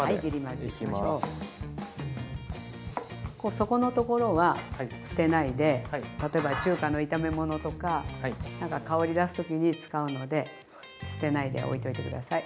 そこの所は捨てないで例えば中華の炒め物とか香り出す時に使うので捨てないでおいといて下さい。